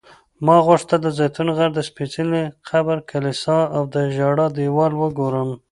ما غوښتل د زیتون غر، د سپېڅلي قبر کلیسا او د ژړا دیوال وګورم.